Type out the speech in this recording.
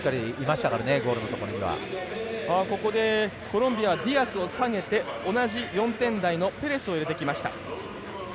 ここでコロンビアはディアスを下げて同じ４点台のペレスを入れてきました。